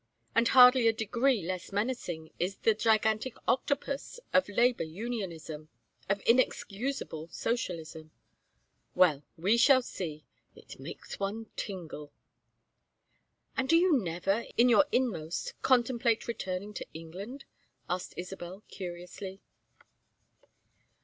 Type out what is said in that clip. And hardly a degree less menacing is this gigantic octapus of labor unionism of inexcusable socialism. Well, we shall see! It makes one tingle." "And do you never, in your inmost, contemplate returning to England?" asked Isabel, curiously.